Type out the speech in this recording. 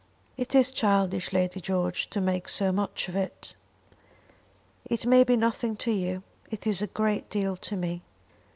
"It is childish, Lady George, to make so much of it." "It may be nothing to you. It is a great deal to me.